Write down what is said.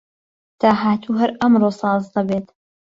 داهاتوو هەر ئەمڕۆ ساز دەبێت